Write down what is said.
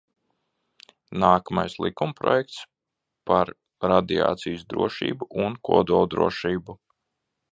"Nākamais ir likumprojekts "Par radiācijas drošību un kodoldrošību"."